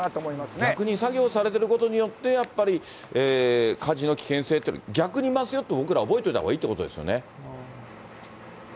逆に作業されてることによって、やっぱり火事の危険性っていうのは、逆に増すよって僕らは覚えておいたほうがいいってことですね。